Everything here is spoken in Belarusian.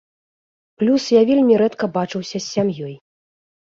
Плюс я вельмі рэдка бачыўся з сям'ёй.